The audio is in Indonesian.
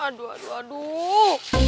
aduh aduh aduh